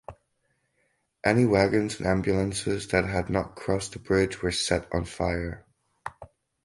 Any wagons and ambulances that had not crossed the bridge were set on fire.